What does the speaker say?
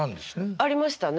ありましたね。